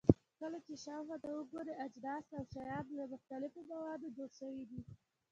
کله چې شاوخوا ته وګورئ، اجناس او شیان له مختلفو موادو جوړ شوي دي.